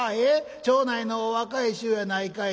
町内の若い衆やないかいな。